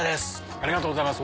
ありがとうございます。